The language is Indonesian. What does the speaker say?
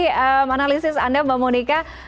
menarik sekali analisis anda mbak monika